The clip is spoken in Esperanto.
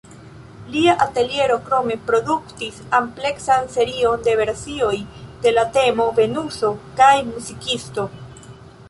Lia ateliero krome produktis ampleksan serion de versioj de la temo Venuso kaj muzikisto.